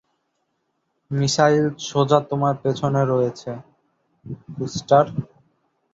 Missile সোজা তোমার পেছনে রয়েছে, রুস্টার।